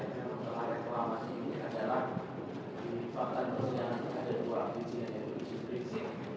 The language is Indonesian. di bapak ibu yang ada dua visi yang itu disiplin